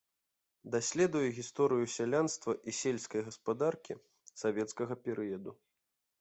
Даследуе гісторыю сялянства і сельскай гаспадаркі савецкага перыяду.